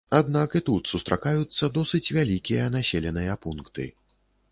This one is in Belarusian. Аднак і тут сустракаюцца досыць вялікія населеныя пункты.